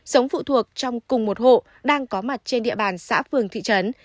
sống phụ thuộc trong cùng một hộ đang có mặt trên địa bàn xã phường thị trấn